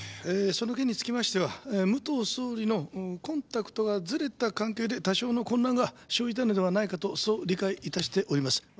えーその件につきましては武藤総理のコンタクトがずれた関係で多少の混乱が生じたのではないかとそう理解致しております。